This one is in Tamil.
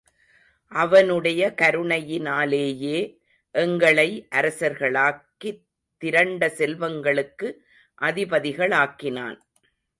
அவனுடைய கருணையினாலேயே, எங்களை அரசர்களாக்கித் திரண்ட செல்வங்களுக்கு அதிபதிகளாக்கினான்.